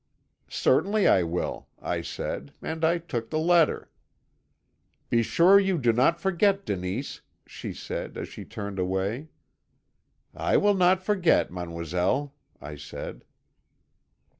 "'Certainly I will,' I said, and I took the letter. "'Be sure you do not forget, Denise,' she said, as she turned away. "'I will not forget, mademoiselle,' I said.